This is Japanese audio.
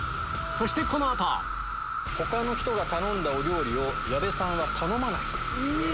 そしてこの後他の人が頼んだお料理を矢部さんは頼まない。